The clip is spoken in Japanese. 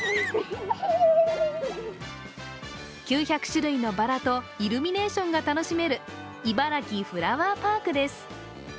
９００種類のバラとイルミネーションが楽しめるいばらきフラワーパークです。